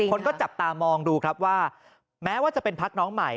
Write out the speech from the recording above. คนก็จับตามองดูครับว่าแม้ว่าจะเป็นพักน้องใหม่